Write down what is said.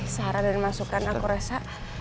saran dan masukan aku rasa